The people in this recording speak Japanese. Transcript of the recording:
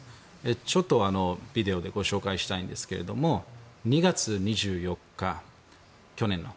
ちょっとビデオでご紹介したいんですけども２月２４日、去年の。